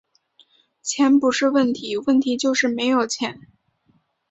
钱不是问题，问题就是没有钱